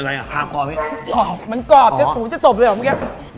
มันกรอบมันกรอบจะสูจะตบเลยหรอเมื่อกี้